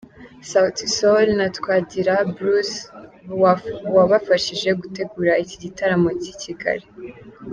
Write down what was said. Sauti Sol na Twagira Bruce wabafashije gutegura iki gitaramo cy'i Kigali.